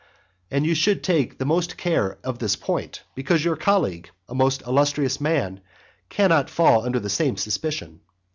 And you should take the more care of this point, because your colleague, a most illustrious man, cannot fall under the same suspicion.